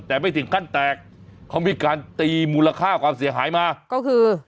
แต่ไม่ถึงขั้นแตกเขามีการตีมูลค่าความเสียหายมาก็คือ